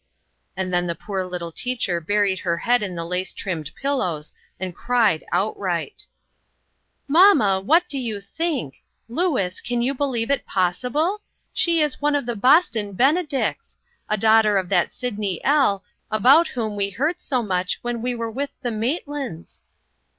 And then the poor little teacher buried her head ii: the lace trimmed pillows and cried outright !" Mamma, what do you think ! Louis, can you believe it possible ? She is one of the Boston Benedicts ! A daughter of that Sid ney L. about whom we heard so much when we were with the Maitlands